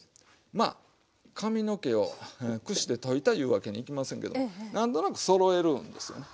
まあ髪の毛をくしでといたいうわけにいきませんけども何となくそろえるんですよね。